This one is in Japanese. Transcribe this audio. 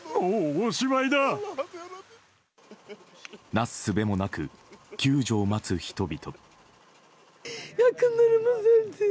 なすすべもなく救助を待つ人々。